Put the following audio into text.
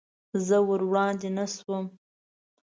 زه ور وړاندې نه شوم.